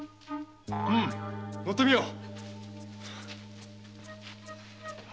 うん乗ってみよう。